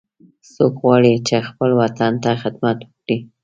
څوک غواړي چې خپل وطن ته خدمت وکړي